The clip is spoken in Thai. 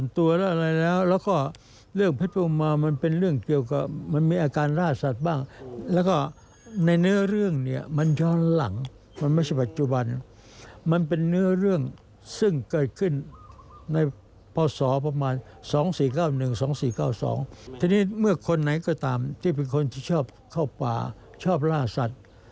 ทีนี้เมื่อคนไหนก็ตามที่เป็นคนที่ชอบเข้าป่าชอบล่าสัตว์